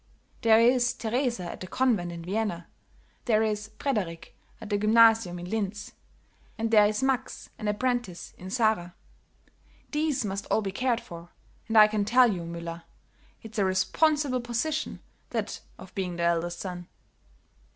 There is Teresa at the convent in Vienna; there is Frederick at the Gymnasium in Linz; and there is Max an apprentice in Zara; these must all be cared for; and, I can tell you, Müller, it's a responsible position, that of being the eldest son."